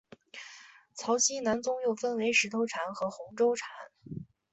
曹溪南宗又分为石头禅和洪州禅。